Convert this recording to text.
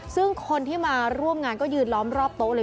ซึ่งคนที่มาร่วมงานก็ยืนล้อมรอบโต๊ะเลย